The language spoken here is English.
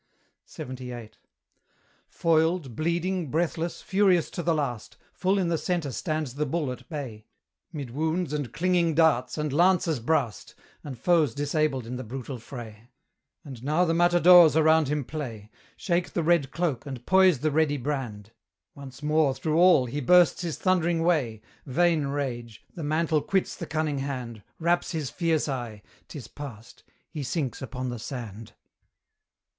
LXXVIII. Foiled, bleeding, breathless, furious to the last, Full in the centre stands the bull at bay, Mid wounds, and clinging darts, and lances brast, And foes disabled in the brutal fray: And now the matadores around him play, Shake the red cloak, and poise the ready brand: Once more through all he bursts his thundering way Vain rage! the mantle quits the conynge hand, Wraps his fierce eye 'tis past he sinks upon the sand.